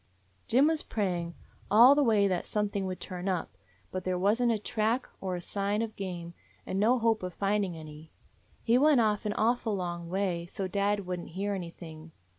"Jim was praying all the way that some thing would turn up, but there was n't a track or a sign of game, and no hope of finding any. He went off an awful long way, so dad would n't hear anything.